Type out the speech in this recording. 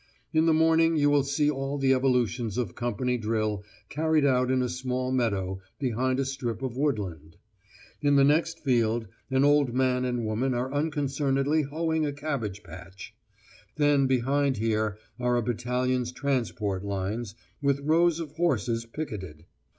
In the morning you will see all the evolutions of company drill carried out in a small meadow behind a strip of woodland; in the next field an old man and woman are unconcernedly hoeing a cabbage patch; then behind here are a battalion's transport lines, with rows of horses picketed.